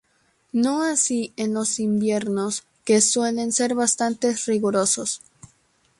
No así en los inviernos, que suelen ser bastante rigurosos.